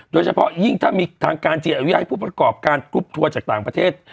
โดยเฉพาะยิ่งถ้ามีทางการจีนอนุญาตให้ผู้ประกอบการกรุ๊ปทัวร์จากต่างประเทศ